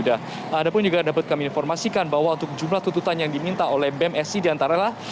ada pun juga dapat kami informasikan bahwa untuk jumlah tuntutan yang diminta oleh bem sc di antaranya